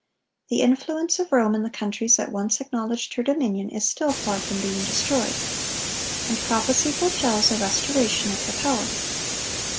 The influence of Rome in the countries that once acknowledged her dominion, is still far from being destroyed. And prophecy foretells a restoration of her power.